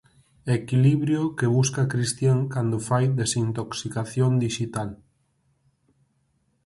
Equilibrio que busca Cristian cando fai desintoxicación dixital.